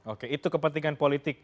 oke itu kepentingan politik